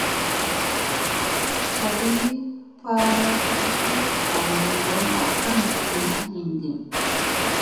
Caɗi li paara gi u goŋgi ŋgolla kaŋga naa hidiim.